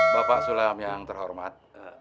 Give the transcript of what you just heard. bapak sulam yang terhormat